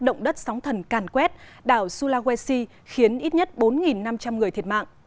động đất sóng thần càn quét đảo sulawesi khiến ít nhất bốn năm trăm linh người thiệt mạng